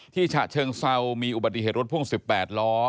ฉะเชิงเซามีอุบัติเหตุรถพ่วง๑๘ล้อ